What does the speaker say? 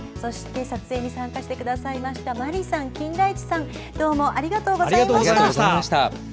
撮影に参加してくださいましたまりさん、金田一さんどうもありがとうございました。